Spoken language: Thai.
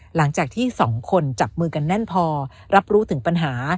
หลังจากที่สองคนจับมือกันแน่นพอรับรู้ถึงปัญหา